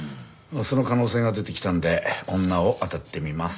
その可能性が出てきたんで女をあたってみます。